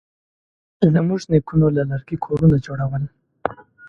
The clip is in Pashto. زموږ نیکونه له لرګي کورونه جوړول.